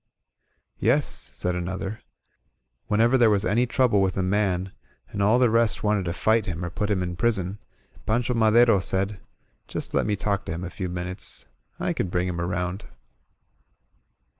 "Yes," said another, "whenever there was any trouble with a man, and all the rest wanted to fight him or put him in prison, Pancho Madero said :^ Just let me talk to him a few minutes. I can bring him around.'